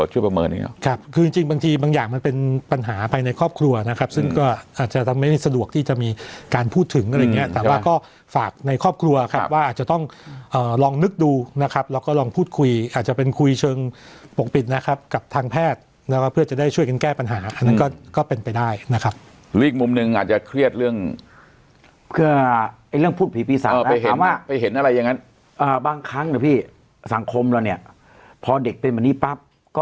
ช่วยประเมินอย่างเงี้ยครับคือจริงจริงบางทีบางอย่างมันเป็นปัญหาไปในครอบครัวนะครับซึ่งก็อาจจะทำไม่ได้สะดวกที่จะมีการพูดถึงอะไรอย่างเงี้ยแต่ว่าก็ฝากในครอบครัวครับว่าอาจจะต้องเอ่อลองนึกดูนะครับแล้วก็ลองพูดคุยอาจจะเป็นคุยเชิงปกปิดนะครับกับทางแพทย์แล้วก็เพื่อจะได้ช่วยกันแก้ปัญหาอันนั้นก็